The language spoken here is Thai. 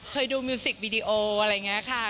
เคยดูมิวสิกวีดีโออะไรอย่างนี้ค่ะ